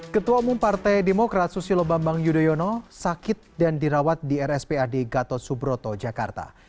ketua umum partai demokrat susilo bambang yudhoyono sakit dan dirawat di rspad gatot subroto jakarta